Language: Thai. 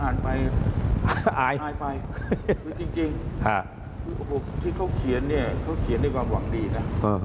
ไปอายไปคือจริงที่เขาเขียนเนี่ยเขาเขียนด้วยความหวังดีนะ